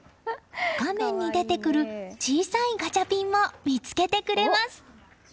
画面に出てくる小さいガチャピンも見つけてくれます。